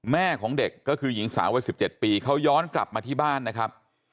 แม่ของเด็กก็คือหญิงสาววัย๑๗ปีเขาย้อนกลับมาที่บ้านนะครับ